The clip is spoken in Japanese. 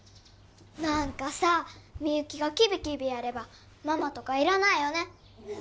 何かさみゆきがキビキビやればママとかいらないよね